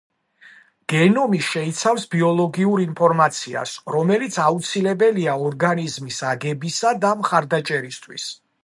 გენომი შეიცავს ბიოლოგიურ ინფორმაციას, რომელიც აუცილებელია ორგანიზმის აგებისა და მხარდაჭერისთვის.